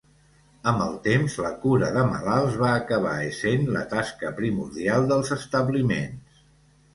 Amb el temps, la cura de malalts va acabar essent la tasca primordial dels establiments.